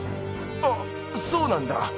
あそうなんだ。